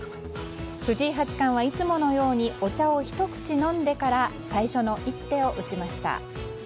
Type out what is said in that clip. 藤井八冠はいつものようにお茶をひと口飲んでから最初の一手を打ちました。